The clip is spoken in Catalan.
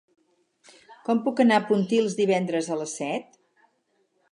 Com puc anar a Pontils divendres a les set?